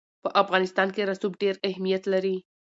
په افغانستان کې رسوب ډېر اهمیت لري.